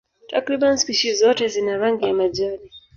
Takriban spishi zote zina rangi ya majani.